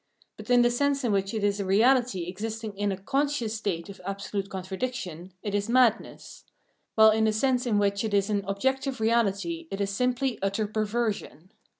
But in the sense in which it is a reality existing in a conscious state of absolute contradiction, it is madness ; while in the sense in which it is an objective reality it is simply utter perversion.